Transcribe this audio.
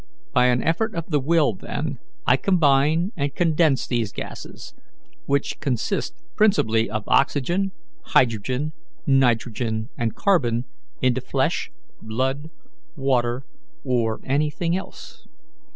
By an effort of the will, then, I combine and condense these gases which consist principally of oxygen, hydrogen, nitrogen, and carbon into flesh, blood, water, or anything else.